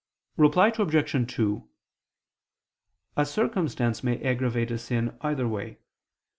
Reply Obj. 2: A circumstance may aggravate a sin either way.